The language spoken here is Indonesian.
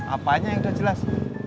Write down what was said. apanya yang udah jelas